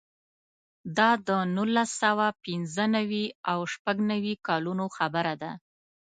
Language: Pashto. دا د نولس سوه پنځه نوي او شپږ نوي کلونو خبره ده.